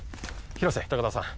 廣瀬高田さん